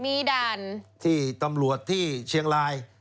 มีด่านที่ตำรวจที่เชียงราย